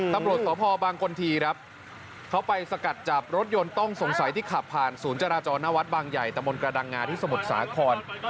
ตำรวจสพบางคนทีครับเขาไปสกัดจับรถยนต์ต้องสงสัยที่ขับผ่านศูนย์จราจรหน้าวัดบางใหญ่ตะมนต์กระดังงาที่สมุทรสาคร